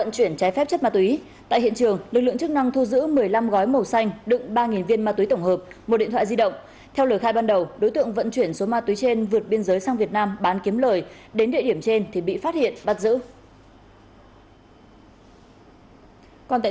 xin chào và hẹn gặp lại trong các bộ phim tiếp theo